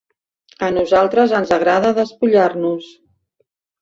A nosaltres ens agrada despullar-nos.